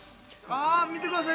◆見てください。